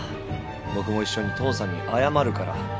僕も一緒に父さんに謝るから。